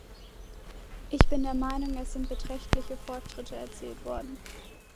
Ich bin der Meinung, es sind beträchtliche Fortschritte erzielt worden.